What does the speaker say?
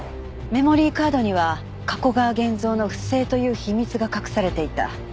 メモリーカードには加古川源蔵の不正という秘密が隠されていた。